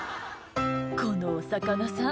「このお魚さん